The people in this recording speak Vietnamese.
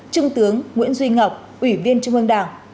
trung tướng nguyễn duy ngọc ủy viên trung ương đảng